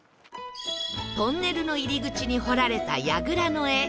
トンネルの入り口に彫られた櫓の絵